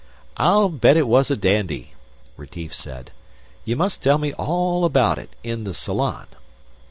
"I'll bet it was a dandy," Retief said. "You must tell me all about it in the salon."